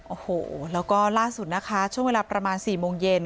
โอ้โหแล้วก็ล่าสุดนะคะช่วงเวลาประมาณ๔โมงเย็น